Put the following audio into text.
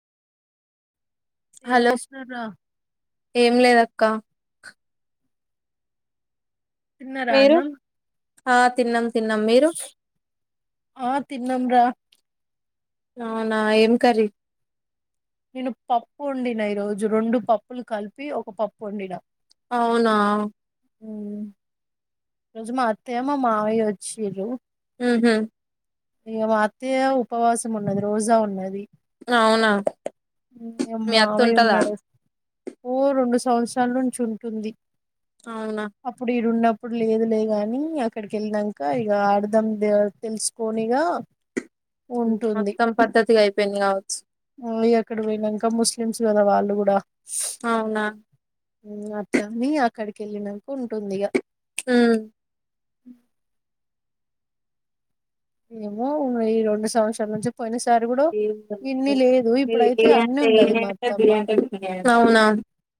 ఏం చేస్తున్నావ్ రా ఏమ్ లేదక్క తిన్నరా మీరు అన్నం ఆ తిన్నాం తిన్నాం మీరు ఆ తిన్నాం రా అవునా ఏమ్ కర్రీ నేను పప్పు వండినా ఈ రోజు రెండు పప్పులు కల్పి ఒక పప్పు వండినా అవున హె ఈ రోజు మా అత్తయ్య మా మామయ్య వచ్చిరు ఊహు ఇక మా అత్తయ్య ఉపవాసం ఉన్నది రోజ ఉన్నది అవునా ఇంగ మీ అత్త మామయ్య ఉంటదా ఉన్నాడు ఉరుండ్ సంవత్సరం నుంచి ఉంటుంది అవునా అప్పుడు ఈడున్నం ఇప్పుడు లేదు లే గాని అక్కడికి వెళ్ళినంకా ఇక అర్దం తెలుసు పోనీగా మొత్తం పద్ధతిగా అయి పెన్ కాస్ [unintelligible] ఎక్కడ పోయినాంక ముస్లిమ్స్ కదా వాళ్ళు కూడా అవునా హ్మ్మ్ అట్లనే అక్కడికి వెళ్ళినాక ఉంటుంది ఇక మ్ ఏమో ఈ రెండు సంవత్సరాల నుంచి పోయిన స ఏ అన్ని అంటే ఏ ఉన్నది మా అంటది అత్తమ్మ బి అంటే బి అంటది అవునా